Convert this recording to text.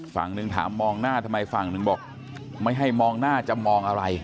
ฝั่งหนึ่งถามมองหน้าทำไมฝั่งหนึ่งบอกไม่ให้มองหน้าจะมองอะไร